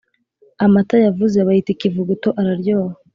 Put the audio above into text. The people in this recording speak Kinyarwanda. Amata yavuze bayita ikivuguto araryoha